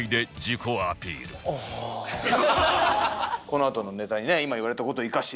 このあとのネタにね今言われた事を生かして。